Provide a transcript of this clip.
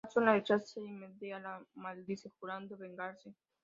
Jasón la rechaza y Medea lo maldice, jurando vengarse.